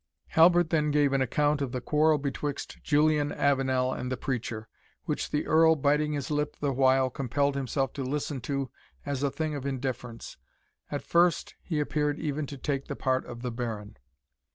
Halbert then gave an account of the quarrel betwixt Julian Avenel and the preacher, which the Earl, biting his lip the while, compelled himself to listen to as a thing of indifference. At first he appeared even to take the part of the Baron.